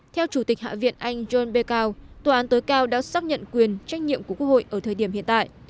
theo chủ tịch hạ viện anh john b cao tòa án tối cao đã xác nhận quyền trách nhiệm của quốc hội ở thời điểm hiện tại